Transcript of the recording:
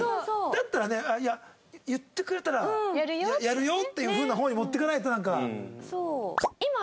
だったらねいや言ってくれたらやるよっていう風な方に持っていかないとなんか。